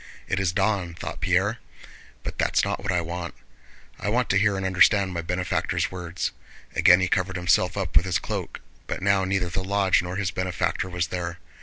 "It is dawn," thought Pierre. "But that's not what I want. I want to hear and understand my benefactor's words." Again he covered himself up with his cloak, but now neither the lodge nor his benefactor was there.